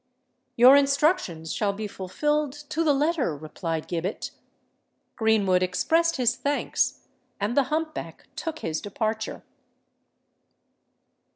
"Your instructions shall be fulfilled to the letter," replied Gibbet. Greenwood expressed his thanks; and the hump back took his departure.